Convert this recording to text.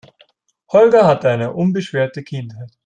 Holger hatte eine unbeschwerte Kindheit.